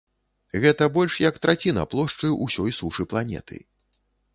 Гэта больш як траціна плошчы ўсёй сушы планеты.